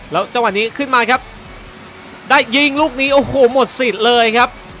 แล้วจังหวะนี้ขึ้นมาครับได้ยิงลูกนี้โอ้โหหมดสิทธิ์เลยครับ